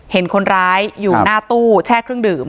เห็นคนร้ายอยู่หน้าตู้แช่เครื่องดื่ม